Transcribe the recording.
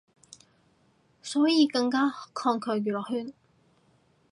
所以更加抗拒娛樂圈